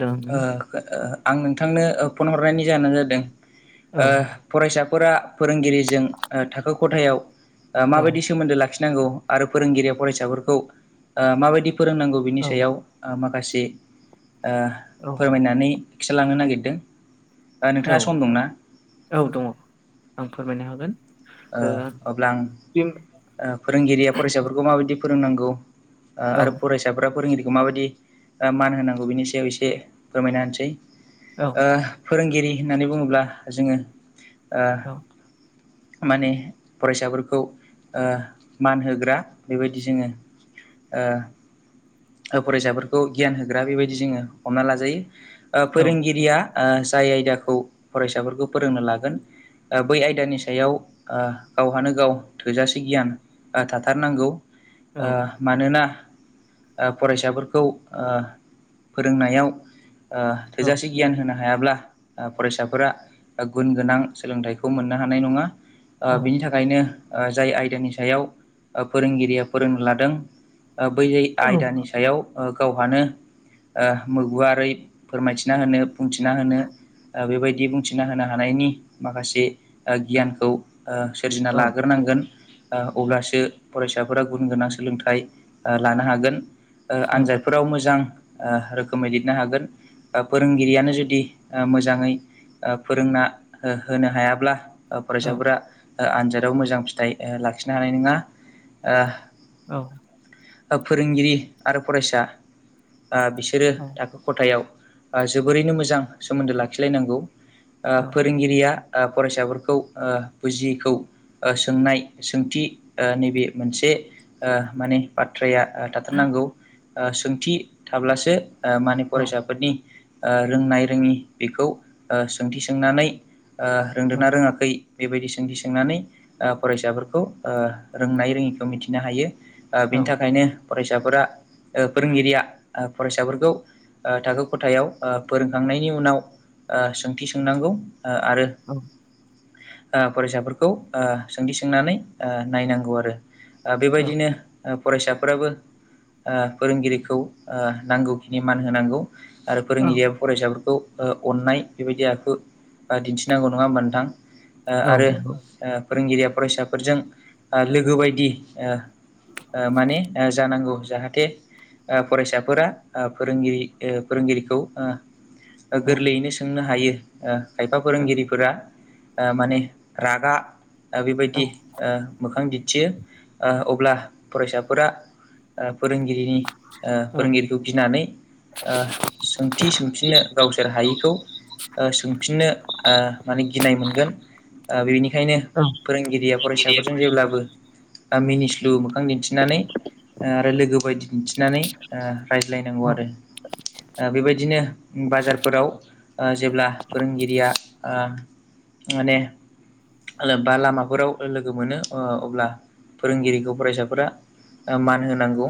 दों ओ ओ आं नोंथांनो फन हरनायनि जाहोनानो जादों ओ औ फरायसाफोरा फोरोंगिरिजों ओ थाखो खथायाव औ माबायदि सोमोन्दो लाखि नांगौ आरो फोरोंगिरिया फरायसाफोरखौ ओ माबायदि फोरोंनांगौ बिनि औ सायाव माखासे ओ औ फोरमायनानै खिथालांनो नागिरदों ओ नोंथाङा औ सम दंना? औ दङ' ओं फोरमायनो हागोन। ओ अब्ला जों आं फोरोंगिरिया फरायसाफोरखौ माबायदि फोरोंनांगौ औ आरो फराय साफोरा फोरोंगिरिखौ माबायदि मान होनांगौ बेनि सायाव एसे फोरमायना होनोसै। औ ओ फोरोंगिरि होननानै बुङोब्ला जोङो औ माने फरायसाफोरखौ ओ मान होग्रा बेबायदि जोङो ओ फरायसाफोरखौ गियान होग्रा बेबायदि जोङो हमना लाजायो ओ औ फोरोंगिरिया ओ जाय आयदाखौ फरायसाफोरखौ फोरोंनो लागोन ओ बै आयदानि सायाव ओ गावहानो गाव थोजासे गियान थाथारनांगौ। औ मानोना ओ फरायसाफोरखौ ओ फोरोंनायाव ओ औ थोजासे गियान होनो हायाब्ला ओ फरायसाफोरा गुन गोनां सोलोंथाइखौ मोननो हा नाय नङा। ओ औ बेनि था खायनो ओ जाय आयदानि सायाव ओ फोरोंगिरिया फोरोंनो लादों बै औ आयदानि सायाव गावहानो ओ मो गुवारै फोरमायथिना होनो बुंथिना होनो ओ बेबायदि बुंथिना होनो हानायनि माखासे ओ गियानखौ सोरजिना औ लाग्रोनांगोन। ओ अब्लासो फरायसाफोरा गुन गोनां सोलोंथाइ लानो हागोन। ओ आनजाद फोराव मोजां ओ रोखोमै लिरनो हागोन । ओ फोरोंगिरियानो जुदि ओ मोजाङै ओ फोरोंना ओ होनो हायाब्ला ओ औ फरायसाफोरा ओ आनजादाव मोजां फिथाइ ओ लाखिनो हानाय नोङा। ओ औ ओ फोरोंगिरि आरो फरायसा ओ बिसोरो थाखो खथायाव ओ जोबोरैनो मोजां सोमोन्दो लाखिलायनांगौ ओ फोरोंगिरिया ओ फरायसाफोरखौ खौ ओ बुजियैखौ ओ सोंनाय सोंथि ओ नैबे मोनसे ओ माने बाथ्राया ओ थाथारनांगौ ओ सोंथि थाब्लासो ओ मा होनो फरायसाफोरनि ओ रोंनाय रोङि बेखौ ओ सोंथि सोंनानै ओ रोंदेरना रोङाखै बै बेबायदि सोंथि सोंनानै ओ फरायसाफोरखौ ओ रोंनाय रोङिखौ मिथिनो हायो ओ बिनि थाखायनो फरायसाफोरा ओ फोरोंगिरिया ओ फरायसाफोरखौ ओ थाखो खथायाव ओ फोरोंखांनायनि उनाव ओ सोंथि सोंनांगौ आरो औ ओ फरायसाफोरखौ ओ सोंदि सोंनानै ओ नायनांगौ आरो ओ बेबायदिनो ओ फरायसाफोराबो ओ फोरोंगिरिखौ ओ नांगौखिनि मान होनांगौ। आरो फोरोंगिरिया फरायसाफोरखौ ओ अननाय बेबायदि आखु दिन्थिनांगौ नङा नोंथां । ओ औ आरो नंगौ ओ फोरोंगिरिया फरायसाफोरजों ओ लोगो बायदि ओ ओ माने ओ जानांगौ जाहाथे ओ फरायसाफोरा ओ फोरोंगिरि ओ फोरोंगिरिखौ ओ ओ औ औ गोरलैयैनो सोंनो ओ हायो खायफा औ फोरोंगिरिफोरा ओ माने रागा औ बेबायदि ओ मोखां दिन्थियो । ओ अब्ला फरायसाफोरा ओ फोरोंगिरिनि ओ औ फोरोंगिरिखौ गिनानै ओ सोंथि सोंफिननो गावसोर हायिखौ ओ सोंफिननो माने गिनाय मोन ओ बेनिखायनो औ फोरोंगिरिया फरायसाफोरजों जेब्लाबो ओ मिनिस्लु मोखां दिन्थि दिन्थिनानै आरो लोगो बायदि दिन्थिनानै रायज्लायनांगौ आरो। बेबायदिनो बाजारफोराव जेब्ला फोरोंगिरिया माने बा लामाफोराव लोगो मोनो ओ अब्ला फोरोंगिरिखौ फरायसाफोरा ओ मान होनांगौ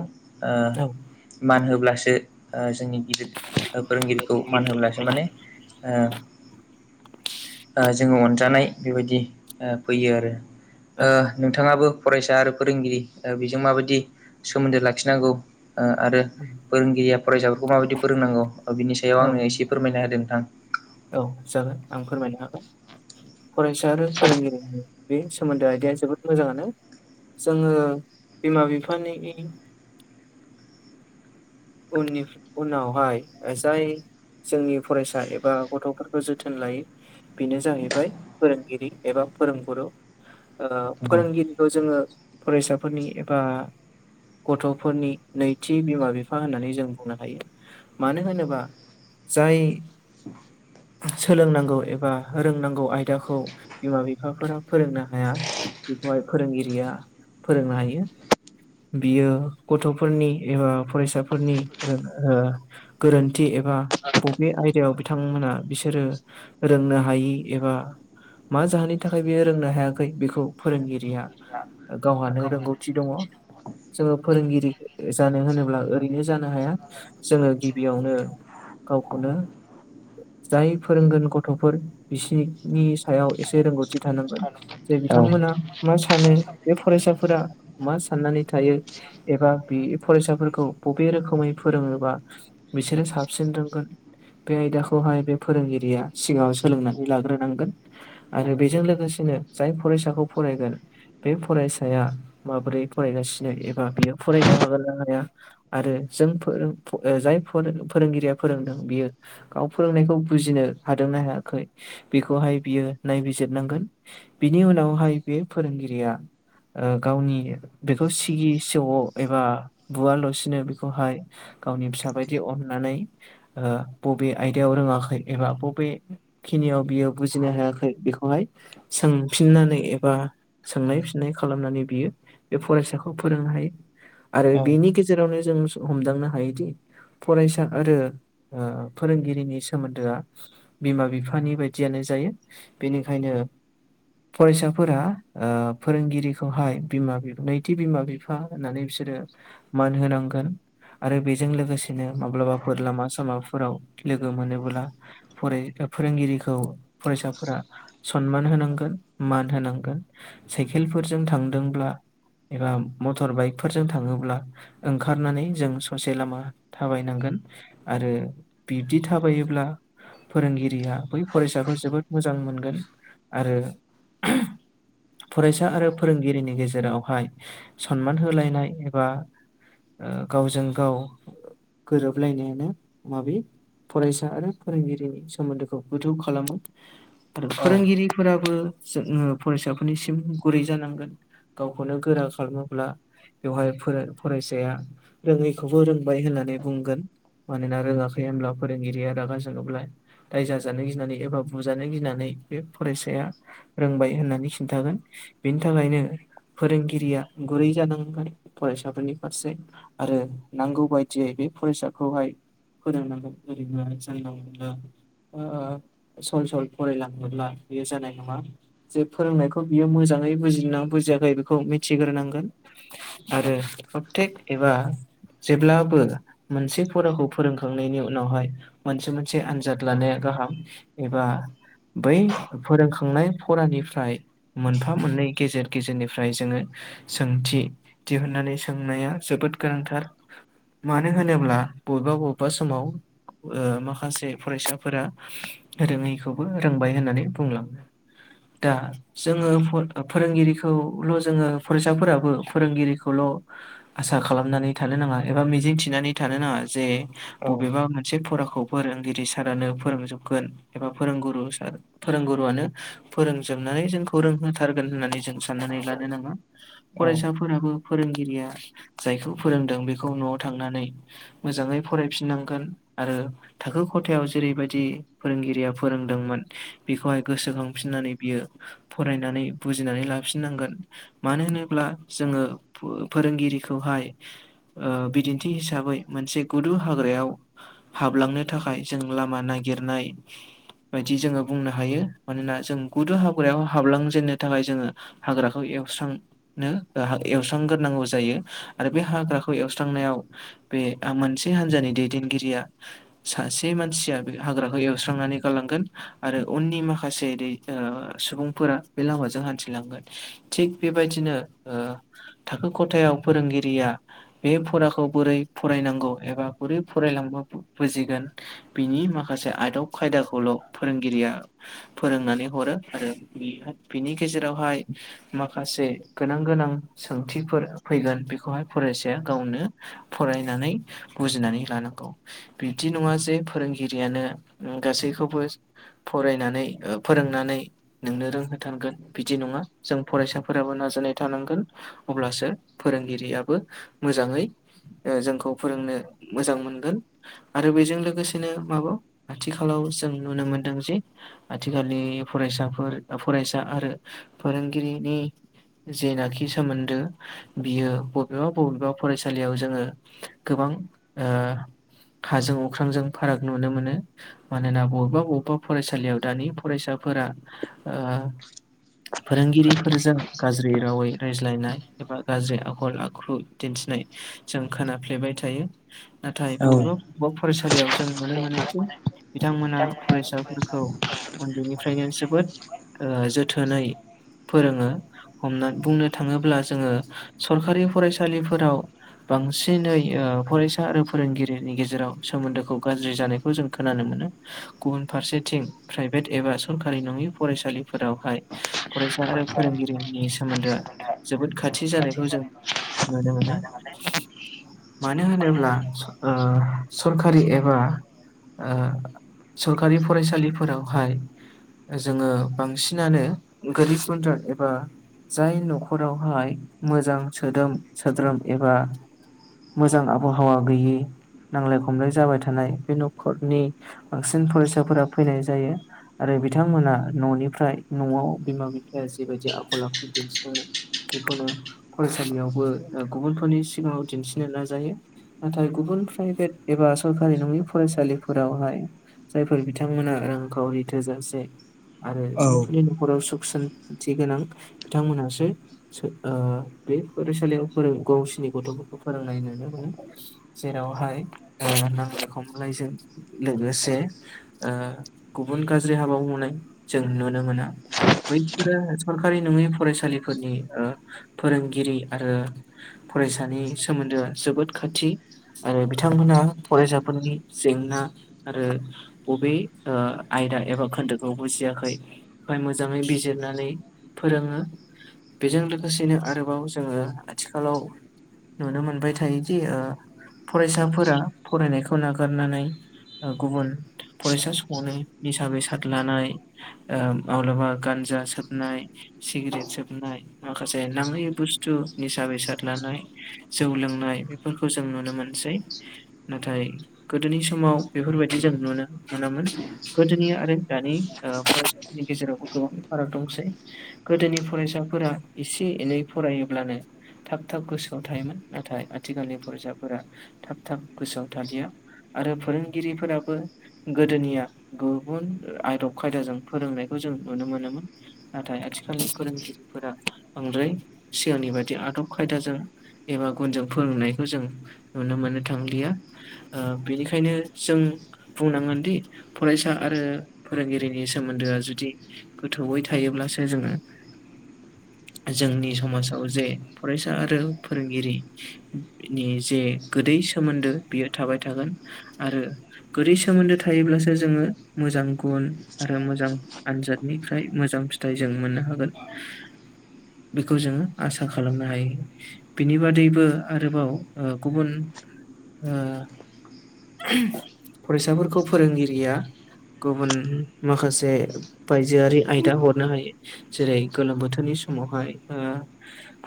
ओ मान होब्लासो ओ जोंनि गिदिर ओ फोरोंगिरिखौ मान होब्लासो माने ओ ओ जोङो अनजानाय बेबायदि ओ फैयो आरो ओ नोंथाङाबो फरायसा आरो फोरोंगिरि ओ बेजों माबायदि सोमोन्दो लाखिनांगौ ओ आरो फोरोंगिरिया फरायसाफोरखौ माबायदि फोरोंनांगौ बिनि सायाव औ आंनो एसे फोरमायना होदों नोंथां। औ जागोन आं फोरमायनो हागोन फरायसा आरो फोरोंगिरिनि बे सोमोन्दोआ आयदया जोबोद मोजाङानो जोङो बिमा बिफानि उननि उनावहाय जाय जोंनि फरायसा एबा गथ'फोरखौ जोथोन लायो । बेनो जाहैबाय फोरोंगिरि एबा फोरोंगुरु ओ औ फोरोंगिरि खौ जोङो फरायसाफोरनि एबा गथ'फोरनि नैथि बिमा बिफा बिफा होननानै जों बुंनो हायो मानो होनोबा जाय सोलोंनांगौ एबा रोंनांगौ आयदाखौ बिमा बिफाफोरा फोरोंनो हाया बेखौहाय फोरोंगिरिया फोरोंनो हायो । बियो गथ'फोरनि एबा फरायसाफोरनि रो गोरोन्थि एबा बबे आयदायाव बिथांमोनहा बिसोरो रोंनो हायि एबा मा जाहोननि थाखाय बेयो रोंनो हायाखै बेखौ फोरोंगिरिया गावहानो रोंगौथि दङ जोङो फोरोंगिरि जानो होनोब्ला बि जानो हाया जोङो गिबियावनो गावखौनो जाय फोरोंगोन गथ'फोर बिसिनि सायाव एसे रोंगौथि थानांगोन जे औ बिथांमोना मा सानो बे फरायसाफोरा मा साननानै थायो एबा बे फरायसाफोरखौ बबे रोखोमै फोरोङोबा बिसोरो साबसिन रोंगोन बे आयदाखौहाय बे फोरोंगिरिया सिगाङाव सोलोंनानै लाग्रोनांगोन। आरो बेजों लोगोसेनो जाय फरायसाखौ फरायगोन बे फरायसाया माबोरै फरायगासिनो एबा बियो फरायनो हागोननाा हाया। आरो जों फोरों जाय फोरोंगिरिया फोरोंदों बियो गाव फोरोंनायखौ बुजिनो हादोंना हायाखै बेखौहाय बियो नायबिजिरनांगोन बिनि उनावहाय बे फोरोंगिरिया ओ गावनि बेखौ सिगि सग एबा बुवाल' बिनो बेखौहाय गावनि फिसा बायदि अननानै ओ बबे आयदायाव रोङाखै एबा बबे खिनियाव बियो बुजिनो हायाखै बेखौहाय सोंफिननानै एबा सोंनाय फिननाय खालामनानै बियो बे फरायसाखौ फोरोंनो हायो आरो बेनि गेजे जेरावनो जों हमदांनो हायोदि फरायसा आरो ओ फोरोंगिरिनि सोमोन्दोआ बिमा बिफानि बायदियानो जायो बेनिखायनो फरायसाफोरा ओ फोरोंगिरिखौहाय बिमा बिफा नैथि बिमा बिफा फा होननानै बिसोरो मान होनांगोन आरो बेजों लोगोसेनो माब्लाबाफोर लामा सामाफोराव लोगो मोनोब्ला फराय फोरोंगिरिखौ फरायसाफोरा सनमान होनांगोन मान होनांगोन साइकेलफोरजों थांदोंब्ला एबा मटर बाइकफोरजों थाङोब्ला ओंखारनानै जों ससे लामा थाबायनांगोन आरो बिब्दि थाबायोब्ला फोरोंगिरिया बै फरायसाखौ जोबोद मोजां मोनगोन आरो फरायसा आरो फोरोंगिरिनि गेजेरावहाय सनमान होलायनाय एबा ओ गावजों गाव गोरोबलायनायानो माबि फरायसा आरो फोरोंगिरिनि सोमोन्दोखौ गोथौ खालामो आरो औ फोरोंगिरिफोराबो जो फरायसाफोरनिसिम गुरै जानांगोन गावखौनो गोरा खालामोब्ला बेवहाय फोर फरायसाया रोङैखौबो रोंबाय होननानै बुंगोन मानोना रोंआखै होनब्ला फोरोंगिरिया रागा जोङोब्ला राय जाजानो गिनानै एबा बुजानो गिनानै बे फरायसाया रोंबाय होननानै खिन्थागोन बेनि थाखायनो फोरोंगिरिया गुरै जानांगोन फरायसाफोरनि फारसे आरो नांगौ बायदियै बे फरायसाखौहाय फोरोंनांगोन ओरैनो जानला मोनला ओ सल सल फरायलाङोब्ला बेयो जानाय नङा जे फोरोंनायखौ बियो मोजाङै बुजि बुजियाखै बेखौ मिथिग्रोनांगोन आरो प्रतेक एबा जेब्लाबो मोनसे फराखौ फोरोंखांनायनि उनावहाय मोनसे मोनसे मोनसे आनजाद लानाया गाहाम एबा बै फोरोंखांनाय फरानिफ्राय मोनफा मोननै गेजेर गेजेरनिफ्राय जोङो सोंथि दिहुननानै सों नाया जोबोद गोनांथार मानो होनोब्ला बबेबा बबेबा समाव ओ माखासे फरायसाफोरा रोङैखौबो रोंबाय होननानै बुंलाङो दा जोङो फोरोंगिरिखौल' जोङो फरायसाफोराबो फोरोंगिरिखौल' आसा खालामनानै थानो नाङा एबा मिजिं थिनानै थानो नाङा। जे औ बबेबा मोनसे फराखौ फोरोंगिरि सारानो फोरोंजोबगोन एबा फोरोंगुरु सार फोरोंगुरुआनो फोरोंजोबनानै जोंखौ रोंहोथारगोन होननानै जों साननानै लानो नाङा फरायसाफोराबो फोरोंगिरिया जायखौ फोरोंदों बेखौ न'आव थांनानै मोजाङै फरायफिननांगोन आरो थाखो खथायाव जेरैबायदि फोरोंगिरिया फोरोंदोंमोन बेखौहाय गोसोखांफिननानै बियो फरायनानै बुजिनानै लाफिननांगोन मानो होनोब्ला जोङो फोरोंगिरिखौहाय बिदिन्थि हिसाबै मोनसे गुदु हाग्रायाव हाबलांनो थाखाय जों लामा नागिरनाय बायदि जोङो बुंनो हायो मानोना जों गुदु हाब्रायाव हाबलांजेननो थाखाय जोङो हाग्राखौ एवस्रांनो एवस्रां एवस्रांग्रोनांगौ जायो आरो बे हाग्राखौ एवस्रांनायाव बे मोनसे हान्जानि दैदेनगिरिया सासे मानसिया बे हाग्राखौ एवस्रांनानै गालांगोन आरो उननि माखासे ओरै सुबुंफोरा बे लामाजों हान्थिलांगोन थिग बेबायदिनो थाखो खथायाव फोरोंगिरिया बे फराखौ बोरै फरायनांगौ एबा बोरै फरायलांबा बुजिगोन। बिनि माखासे आदब खायदाखौल' फोरोंगिरिया फोरोंनानै हरो आरो बिनि गेजेरावहाय माखासे गोनां गोनां सोंथिफोर फैगोन बेखौहाय फरायसाया गावनो फरायनानै बुजिनानै लानांगौ। बिब्दि नङा जे फोरोंगिरियानो गासैखौबो फरायनानै फोरोंनानै नोंनो रोंहो थांगोन बिदि नङा जों फरायसाफोराबो नाजानाय थानांगोन। अब्लासो फोरोंगिरियाबो मोजाङै जोंखौ फोरोंनो मोजां मोनगोन। आरो बेजों लोगोसेनो माबो आथिखालाव जों नुनो मोनदों जे आथिखालनि फरायसाफोर फरायसा आरो फोरोंगिरिनि जेनाखि सोमोन्दो बियो बबेबा बबेबा फरायसालियाव जोङो गोबां हाजों अख्रांजों फाराग नुनो मोनो। मानोना बबेबा बबेबा फरायसालियाव दानि फरायसाफोरा फोरोंगिरिफोरजों गाज्रि रावै नाय एबा गाज्रि आखल आखु दिन्थिनाय जों खोनाफ्लेबाय थायो। नाथाय बबेबा बबेबा फरायसालियाव जों नुनो मोनो। बिथांमोना फरायसाफोरखौ उन्दैनिफ्रायनो जोबोद जोथोनै फोरोङो हमनानै बुंनो थाङोब्ला जोङो सरखारि फरायसालिफोराव बांसिनै फरायसा आरो फोरोंगिरिनि गेजेराव सोमोन्दोखौ गाज्रि जानायखौ जों खोनानो मोनो। गुबुन फारसेथिं प्राइभेट एबा सरखारि नङि फरायसालिफोरावहाय फरायसा आरो फोरोंगिरिनि सोमोन्दोआ जोबोद खाथि जानायखौ जों नुनो मोनो। मानो होनोब्ला सरखारि एबा सरखारि फरायसालिफोरावहाय जोङो बांसिनानो गोरिब गुन्द्रा‌ एबा जाय न'खर नखरावहाय मोजां सोदोम सोद्रोम एबा मोजां आबहावा गैयि नांलाय खमलाय जाबाय थानाय बे न'खरनि बांसिन फरायसाफोरा फैनाय जायो। आरो बिथांमोना न'निफ्राय न'आव बिमा बिफाया जिबायदि आखल आखु दिन्थिनो। बेखौनो फरायसालियावबो ओ गुबुनफोरनि सिगाङाव दिन्थिनो नाजायो । नाथाय गुबुन प्राइभेट एबा सरकारि नङि फरायसालिफोरावहाय जायफोर बिथांमोना रांखावरि थोजासे आरो जायफोरनि न'खराव सुख सान्थि गोनां बिथांमोनहासो बे फरायसालियाव फोरों गावसिनि गथ'फोरखौ फोरोंनाय नुनो मोनो। जेरावहाय नांलाय खमलायजों लोगोसे ओ गुबुन गाज्रि हाबा मावनाय जों नुनो मोना। बैफोरो सरखारि नङै फरायसालिफोरनि ओ फोरोंगिरि आरो फरायसानि सोमोन्दोआ जोबोद खाथि आरो बिथांमोनहा फरायसाफोरनि जेंना आरो बबे ओ आयदा एबा खोन्दोखौ बुजियाखै फाय मोजाङै बिजिरनानै फोरोङो बेजों लोगोसेनो आरोबाव जोङो आथिखालाव नुनो मोनबाय थायोदि ओ फरायसाफोरा फरायनायखौ नागारनानै गुबुन फरायसा समावनो निसा बेसाद लानाय ओ माब्लाबा गान्जा सोबनाय सिगारेट सोब नाय माखासे नाङै बुस्थु निसा बेसाद लानाय जौ लोंनाय बेफोरखौ जों नुनो मोनसै। नाथाय गोदोनि समाव बेफोरबायदि जों नुनो मोनामोन। गोदोनि आरो दानि ओ फरायसाफोरनि गेजेरावबो गोबां फाराग दंसै। गोदोनि फरायसाफोरा एसे एनै फरायोब्लानो थाब थाब गोसोआव थायोमोन नाथाय आथिखालनि फरायसाफोरा थाब थाब गोसोआव थालिया आरो फोरोंगिरिफोराबो गोदोनिया गुबुन आदब खायदाजों फोरोंनायखौ जों नुनो मोनोमोन। नाथाय आथिखालनि फोरोंगिरिफोरा बांद्राय सिगांनि बायदि आदब खायदाजों एबा गुनजों फोरोंनायखौ जों नुनो मोननो थांलिया ओ बेनिखायनो जों बुंनांगोनदि फरायसा आरो फोरोंगिरिनि सोमोन्दोआ जुदि गोथौयै थायोब्लासो जोङो जोंनि समाजाव जे फरायसा आरो फोरोंगिरि नि जे गोदै सोमोन्दो बियो थाबाय थागोन, आरो गोदै सोमोन्दो थायोब्लासो जोङो मोजां गुन आरो मोजां आनजादनिफ्राय मोजां फिथाइ जों मोननो हागोन। बेखौ जोङो आसा खालामनो हायो। बिनि बादैबो आरोबाव ओ गुबुन ओ फरायसाफोरखौ फोरोंगिरिया गुबुन माखासे बायजोआरि आयदा हरनो हायो जेरै गोलोम बोथोर नि समावहाय ओ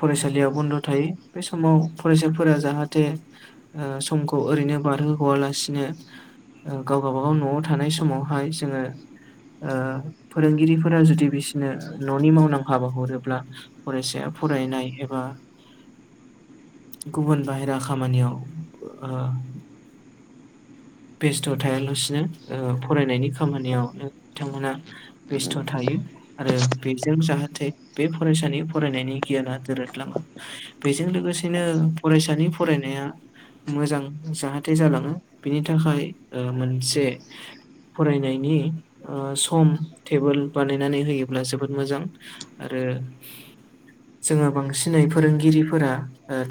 फरायसालियाव बन्द' थायो बे समाव फरायसाफोरा जाहाथे ओ समखौ ओरैनो बारहोहआलासिनो गाव गावबागाव न'आव थानाय समावहाय जोङो ओ फोरोंगिरिफोरा जुदि बिसोरनो न'नि मावनांगौ हाबा हरोब्ला फरायसाया फरायनाय एबा गुबुन बाहेरा खामानियाव ओ बेस्थ' थायालासिनो ओ फरायनायनि खामानियावनो बिथांमोना बेस्थ' थायो आरो बेजों जाहाथ थे बे फरायसानि फरायनायनि गियाना दोरोदलाङो बेजों लोगोसेनो फरायसानि फरायनाया मोजां जाहाथे जालाङो बिनि थाखाय ओ मोनसे फरायनायनि ओ सम टेबोल बानायनानै होयोब्ला जोबोद मोजां आरो जोङो बांसिनै फोरोंगिरिफोरा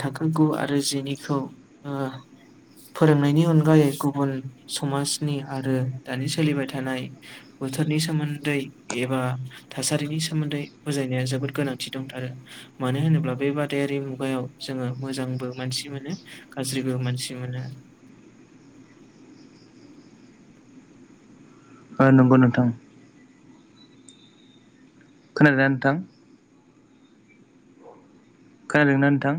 थाखो गु आरो जिनिखौ ओ फोरोंनायनि अनगायै गुबुन समाजनि आरो दानि सोलिबाय थानाय बोथोरनि सोमोन्दै एबा थासारिनि सोमोन्दै बुजायनाया जोबोद गोनांथि दंथारो मानो होनोब्ला बे बादायारि मुगायाव जोङो मोजांबो मानसि मोनो गाज्रिबो मानसि मोनो ओ नंगौ नोंथां खोनादो ना नोंथां खोनादोंना नोंथां?